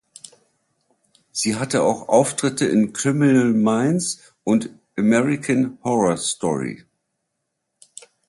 Sie hatte auch Auftritte in "Criminal Minds" und "American Horror Story".